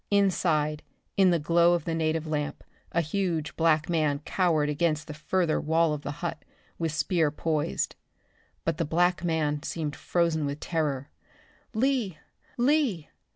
Inside, in the glow of the native lamp, a huge black man cowered against the further wall of the hut, with spear poised. But the black man seemed frozen with terror. "Lee! Lee!"